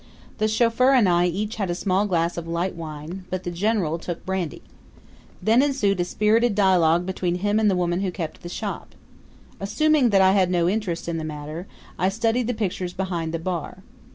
The chauffeur and I each had a small glass of light wine, but the general took brandy. Then ensued a spirited dialogue between him and the woman who kept the shop. Assuming that I had no interest in the matter, I studied the pictures behind the bar.